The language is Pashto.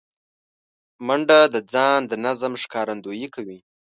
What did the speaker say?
منډه د ځان د نظم ښکارندویي کوي